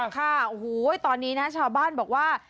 ใช่ตอนนี้ชาวบ้านบอกว่า